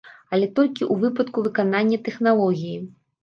Але толькі ў выпадку выканання тэхналогіі.